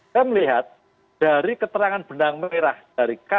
saya melihat dari keterangan benang merah dari kpk